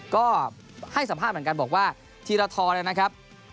ก็ให้สัมภาษณ์เหมือนกันบอกว่าธีรทรนะครับ